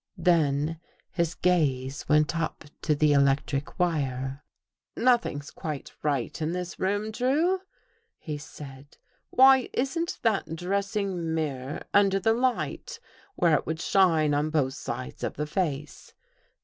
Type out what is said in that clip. Then his gaze went up to the electric wire. " Nothing's quite right in this room. Drew," he said. " Why isn't that dressing mirror under the light where it would shine on both sides of the face.